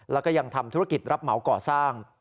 แล้วก็ยังทำธุรกิจรับเหมาก่อสร้าง